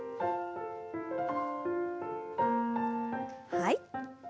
はい。